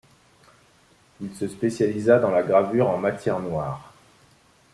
Il se spécialisa dans la gravure en manière noire.